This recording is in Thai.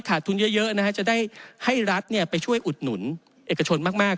ทุนเยอะนะฮะจะได้ให้รัฐไปช่วยอุดหนุนเอกชนมาก